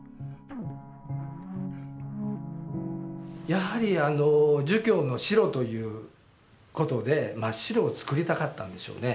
やはり儒教の白という事で真っ白を作りたかったんでしょうね。